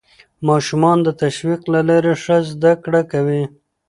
ماشومان د تشویق له لارې ښه زده کړه کوي